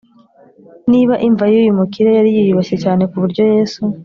” niba imva y’uyu mukire yari yiyubashye cyane ku buryo yesu